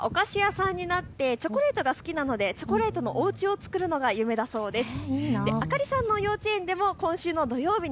将来はお菓子屋さんになってチョコレートが好きなので、チョコレートのおうちを作るのが夢だそうです。